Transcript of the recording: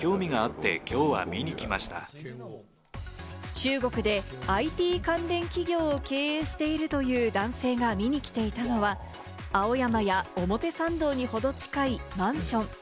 中国でＩＴ関連企業を経営しているという男性が見に来ていたのは、青山や表参道にほど近いマンション。